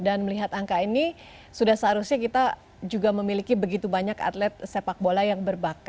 dan melihat angka ini sudah seharusnya kita juga memiliki begitu banyak penduduk